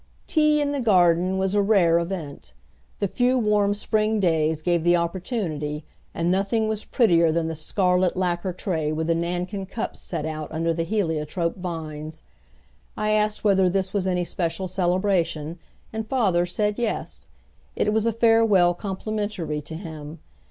Tea in the garden was a rare event. The few warm spring days gave the opportunity, and nothing was prettier than the scarlet lacquer tray with the Nankin cups set out under the heliotrope vines. I asked whether this was any special celebration, and father said yes; it was a farewell complimentary to him.